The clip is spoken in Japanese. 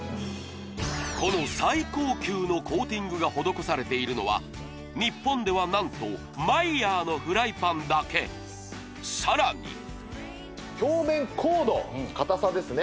この最高級のコーティングが施されているのは日本では何とＭＥＹＥＲのフライパンだけさらに硬さですね